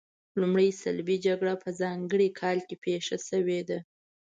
لومړۍ صلیبي جګړه په ځانګړي کال کې پیښه شوې ده.